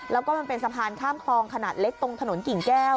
แล้วก็มันเป็นสะพานข้ามคลองขนาดเล็กตรงถนนกิ่งแก้ว